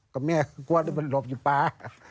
กับแม่ก็กลัวที่มันหลบอยู่ป่า